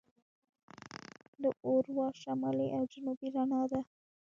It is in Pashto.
د اورورا شمالي او جنوبي رڼا ده.